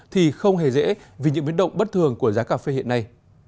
thì không hề dễ vì những biến động bất thường của giá cà phê hiện nay